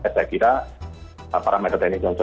saya kira parameter teknis yang tersebut